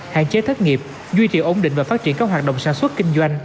hạn chế thất nghiệp duy trì ổn định và phát triển các hoạt động sản xuất kinh doanh